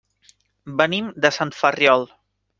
Venim de Sant Ferriol.